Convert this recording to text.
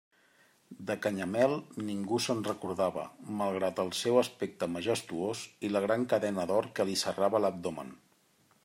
De Canyamel ningú se'n recordava, malgrat el seu aspecte majestuós i la gran cadena d'or que li serrava l'abdomen.